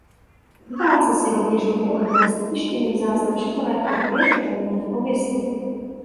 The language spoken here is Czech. Diváci si rovněž mohli odnést tištěný záznam šachové partie uvedené v pověsti.